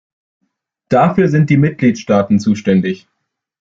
Dafür sind die Mitgliedstaaten zuständig.